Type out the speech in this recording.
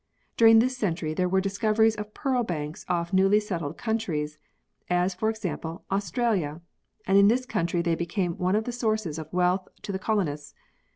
During this century there were discoveries of pearl banks off newly settled countries, as for example, Australia, and in this country they became one of the sources of wealth to the colonists.